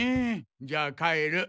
じゃあ帰る。